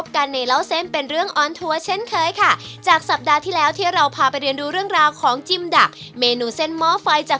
การทำได้ก๋วยเตี๋ยวจะใบใจ